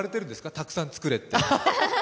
たくさん作れって。